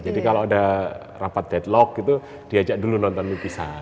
jadi kalau ada rapat deadlock itu diajak dulu nonton lukisan